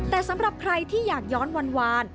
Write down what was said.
แต่สำหรับใครที่อยากย้อนวาน